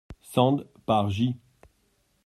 Sand, par J.